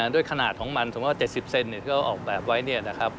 ด้วยขนาดของมันสมมติว่า๗๐เซ็นต์เนี่ย